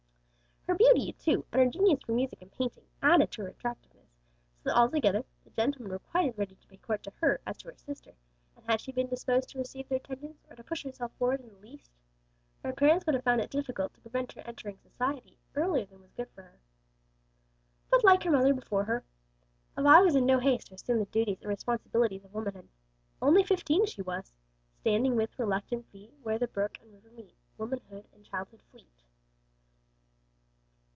Her beauty, too, and her genius for music and painting added to her attractiveness, so that altogether, the gentlemen were quite as ready to pay court to her as to her sister, and had she been disposed to receive their attentions, or to push herself forward in the least, her parents would have found it difficult to prevent her entering society earlier than was for her good. But like her mother before her, Vi was in no haste to assume the duties and responsibilities of womanhood. Only fifteen she was "Standing with reluctant feet Where the brook and river meet, Womanhood and childhood fleet."